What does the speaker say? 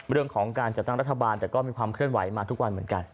เรื่องของการจัดตั้งรัฐบาลแต่ก็มีความเคลื่อนไหวมาทุกวันเหมือนกัน